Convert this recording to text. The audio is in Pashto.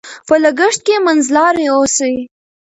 په لګښت کې منځلاري اوسئ.